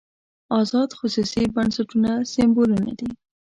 ازاد خصوصي بنسټونه سېمبولونه دي.